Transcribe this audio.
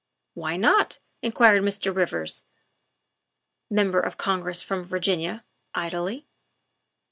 ''" Why not?" inquired Mr. Rivers, Member of Con gress from Virginia, idly.